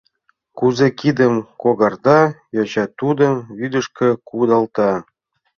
Кузе кидым когарта! йоча тудым вӱдышкӧ кудалта.